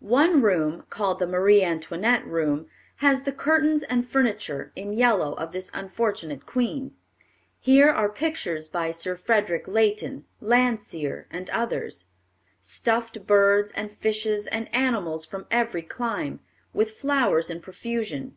One room, called the Marie Antoinette room, has the curtains and furniture, in yellow, of this unfortunate queen. Here are pictures by Sir Frederick Leighton, Landseer, and others; stuffed birds and fishes and animals from every clime, with flowers in profusion.